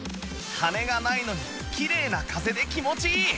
羽根がないのにきれいな風で気持ちいい！